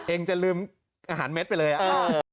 เองจะลืมอาหารเม็ดไปเลยอ่ะ